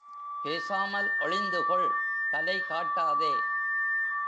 பேசாமல் ஒளிந்துகொள் தலைகாட்டாதே.